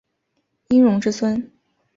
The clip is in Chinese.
殷融之孙。